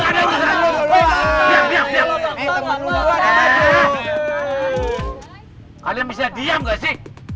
kalian bisa diam gak sih